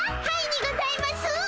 はいにございます。